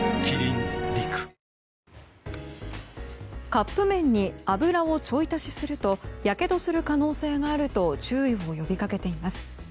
カップ麺に油をちょい足しするとやけどする可能性があると注意を呼び掛けています。